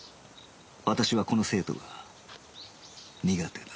私はこの生徒が苦手だ